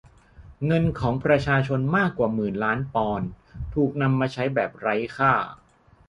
เงินของประชาชนมากกว่าหนื่นล้านปอนด์ถูกนำมาใช้แบบไร้ค่า